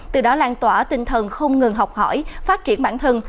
từ đó lan tỏa tinh thần không ngừng học hỏi phát triển bản thân